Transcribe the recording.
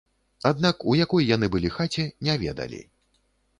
Аднак у якой яны былі хаце, не ведалі.